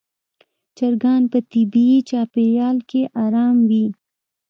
چرګان په طبیعي چاپېریال کې آرام وي.